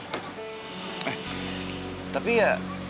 eh tapi ya